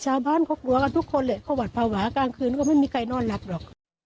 ชาวบ้านเขากลัวกันทุกคนแหละเขาหวัดภาวะกลางคืนก็ไม่มีใครนอนหลับหรอก